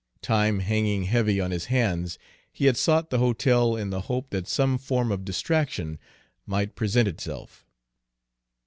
Time hanging heavy on his hands, he had sought the hotel in the hope that some form of distraction might present itself.